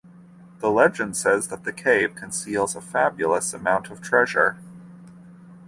The legend says that the cave conceals a fabulous amount of treasure.